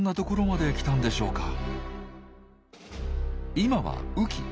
今は雨季。